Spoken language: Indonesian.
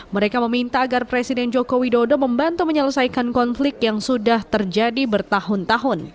mereka meminta agar presiden joko widodo membantu menyelesaikan konflik yang sudah terjadi bertahun tahun